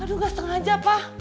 aduh gak sengaja pak